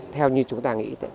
theo như chúng ta nghĩ